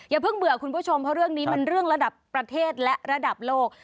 อย่าเพิ่งเบื่อคุณผู้ชมเพราะเรื่องนี้มันเรื่องระดับประเทศและระดับโลก